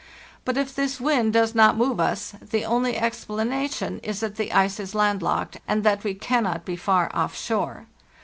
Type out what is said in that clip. But if this wind does not move us, the only explanation is that the ice is landlocked, and that we cannot be far off shore.